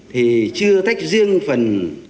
thì chưa tách riêng phần